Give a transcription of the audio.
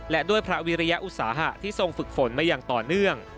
และด้วยพระวิริยอุตสาหะที่ทรงฝึกฝนมาอย่างต่อเนื่อง